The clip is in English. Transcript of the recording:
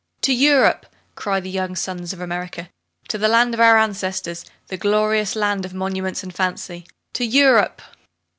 "To Europe!" cry the young sons of America; "to the land of our ancestors, the glorious land of monuments and fancy to Europe!"